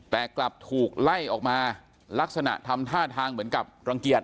แต่กลับถูกไล่ออกมาลักษณะทำท่าทางเหมือนกับรังเกียจ